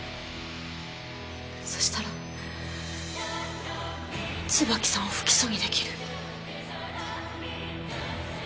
そしたら椿さんを不起訴にできる。